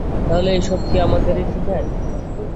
তাহলে, এই সব কি আমাদেরই ডিজাইন?